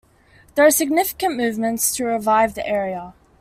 There are significant movements to revive the area.